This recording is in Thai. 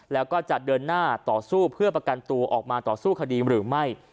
แล้วก็จะเดินหน้าต่อสู้เพื่อประกันตัวออกมาต่อสู้คดีหรือไม่